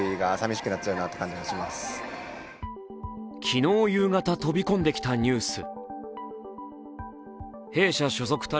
昨日夕方飛び込んできたニュース。